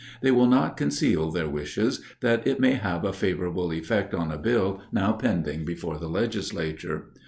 They will not conceal their wishes, that it may have a favorable effect on a bill now pending before the Legislature.